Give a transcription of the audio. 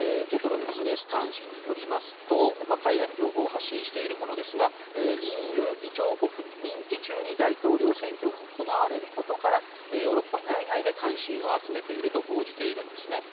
ＪＥＴＲＯビジネス短信によりますと海外の情報を発信しているものですがＥＵ議長国の任期中に大統領選挙が行われることからヨーロッパ内外で関心を集めていると報じています。